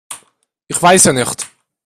Ich weiß ja nicht.